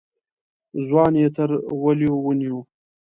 ځوان يې تر وليو ونيو.